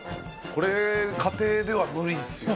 これ家庭では無理ですよね。